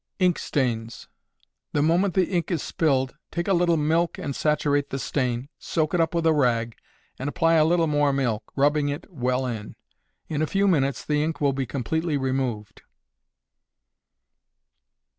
Ink Stains. The moment the ink is spilled, take a little milk, and saturate the stain, soak it up with a rag, and apply a little more milk, rubbing it well in. In a few minutes the ink will be completely removed.